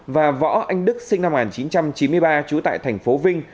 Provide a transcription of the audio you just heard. và võ anh đức sinh năm một nghìn chín trăm chín mươi ba chú tại tp vinh